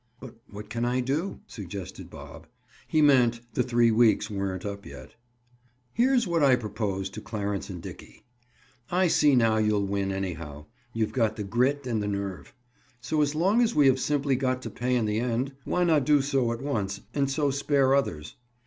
"But what can I do?" suggested Bob. He meant the three weeks weren't yet up. "Here's what I propose to Clarence and Dickie. I see now you'll win, anyhow. You've got the grit and the nerve. So as long as we have simply got to pay in the end, why not do so at once and so spare others?